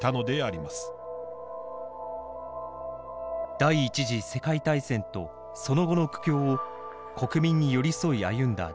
第１次世界大戦とその後の苦境を国民に寄り添い歩んだジョージ５世。